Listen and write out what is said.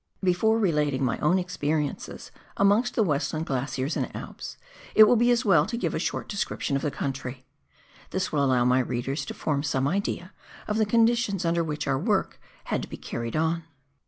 Before relating my own experiences amongst the Westland Glaciers and Alps, it will be as well to give a short descrip tion of the country. This will allow my readers to form some idea of the conditions under which our work had to be carried on.